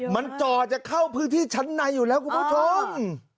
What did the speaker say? มันจ่อจะเข้าพื้นที่ชั้นในอยู่แล้วคุณผู้ชม